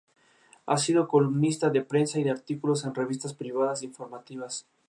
Los ríos Júcar y Cabriel dejan entre sus hermosos valles una llanura típicamente manchega.